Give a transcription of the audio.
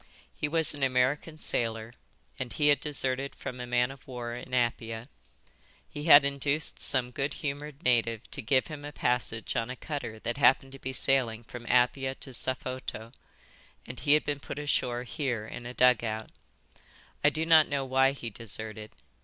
He was an American sailor, and he had deserted from a man of war in Apia. He had induced some good humoured native to give him a passage on a cutter that happened to be sailing from Apia to Safoto, and he had been put ashore here in a dugout. I do not know why he deserted.